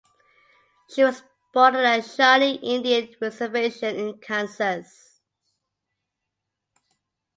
She was born on the Shawnee Indian Reservation in Kansas.